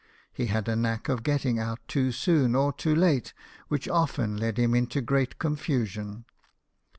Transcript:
He had a knack of getting out too soon or too late, which often led him into great confusion.